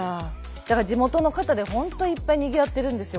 だから地元の方で本当いっぱいにぎわってるんですよ